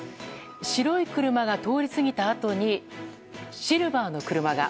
白い車が通り過ぎたあとにシルバーの車が。